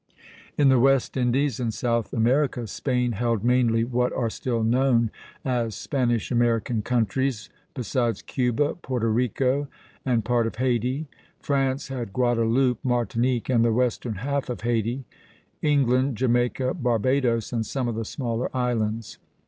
In the West Indies and South America, Spain held mainly what are still known as Spanish American countries, besides Cuba, Porto Rico, and part of Hayti; France had Guadeloupe, Martinique, and the western half of Hayti; England, Jamaica, Barbadoes, and some of the smaller islands.